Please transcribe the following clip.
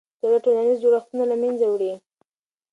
جګړه ټولنیز جوړښتونه له منځه وړي.